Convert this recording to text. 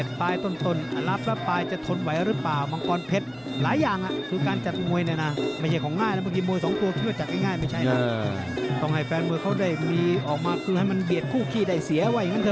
ยืดเยอะก็ได้เร็วก็ได้